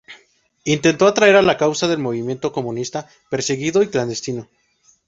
Intentó atraer a la causa del movimiento comunista, perseguido y clandestino.